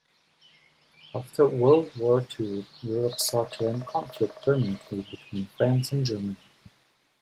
After World War Two, Europe sought to end conflict permanently between France and Germany.